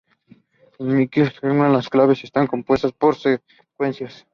En Merkle-Hellman, las claves están compuestas por secuencias.